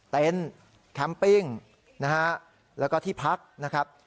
เต็นต์แคมปปิ้งแล้วก็ที่พักนะครับ